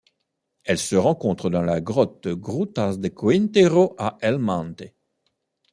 Elle se rencontre dans la grotte Grutas de Quintero à El Mante.